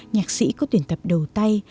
nhạc sĩ có tuyển tập đầu tay